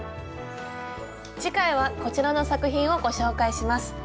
次回はこちらの作品をご紹介します。